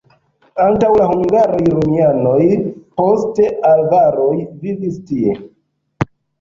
Antaŭ la hungaroj romianoj, poste avaroj vivis tie.